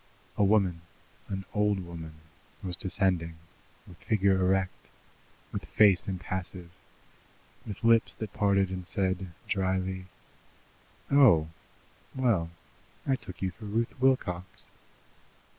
A woman, an old woman, was descending, with figure erect, with face impassive, with lips that parted and said dryly: "Oh! Well, I took you for Ruth Wilcox."